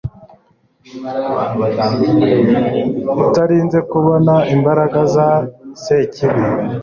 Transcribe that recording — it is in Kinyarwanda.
utarinze kubona imbaraga za sekibi